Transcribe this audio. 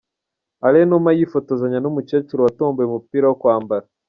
Alain Numa yifotozanya n'umukecuru watomboye umupira wo kwambara.